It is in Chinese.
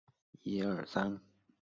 国立高雄科技大学第一校区。